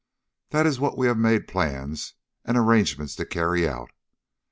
That is what we have made plans and arrangements to carry out.